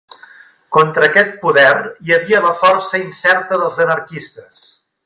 Contra aquest poder hi havia la força incerta dels anarquistes